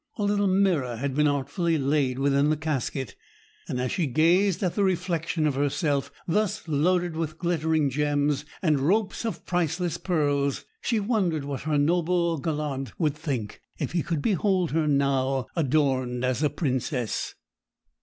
A little mirror had been artfully laid within the casket, and as she gazed at the reflection of herself thus loaded with glittering gems and ropes of priceless pearls, she wondered what her noble gallant would think if he could behold her now, adorned as a princess.